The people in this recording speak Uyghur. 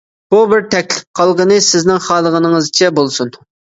بۇ بىر تەكلىپ، قالغىنى سىزنىڭ خالىغىنىڭىزچە بولسۇن.